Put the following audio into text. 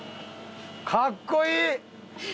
かっこいい！